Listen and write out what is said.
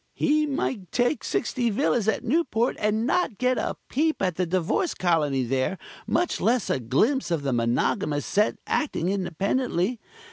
He might take sixty villas at Newport and not get a peep at the Divorce Colony there, much less a glimpse of the monogamous set acting independently.